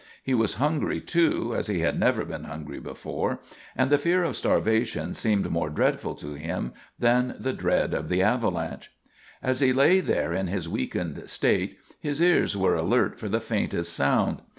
He was hungry, too, as he had never been hungry before, and the fear of starvation seemed more dreadful to him than the dread of the avalanche. As he lay there in his weakened state, his ears were alert for the faintest sound.